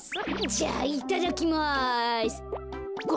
じゃあいただきます。